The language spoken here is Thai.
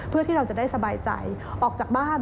เพื่อที่เราจะได้สบายใจออกจากบ้าน